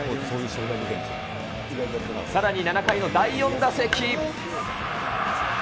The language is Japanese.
さらに７回の第４打席。